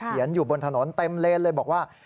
อยู่บนถนนเต็มเลนเลยบอกว่า